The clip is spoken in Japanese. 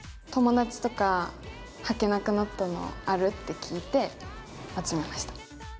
友達とか「はけなくなったのある？」って聞いて集めました。